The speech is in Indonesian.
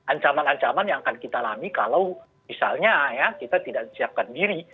ancaman ancaman yang akan kita alami kalau misalnya ya kita tidak siapkan diri